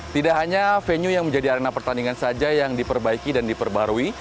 tidak hanya venue yang menjadi arena pertandingan saja yang diperbaiki dan diperbarui